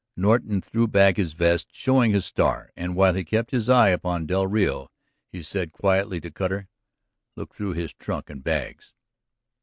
Norton threw back his vest, showing his star. And while he kept his eye upon del Rio he said quietly to Cutter: "Look through his trunk and bags."